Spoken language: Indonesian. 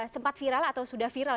sempat viral atau sudah viral